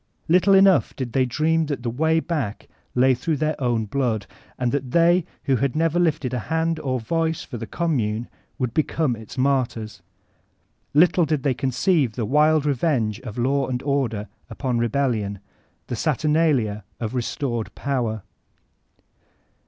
Little enough did they dream that the way back lay through their own blood, and that they, who had never lifted hand or voice for the Commune, would become its martyrs. Little did they conceive the wild revenge of Law and Order upon Rebellion, the saturnalia of restored Power.